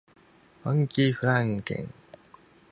ファンキーフランケン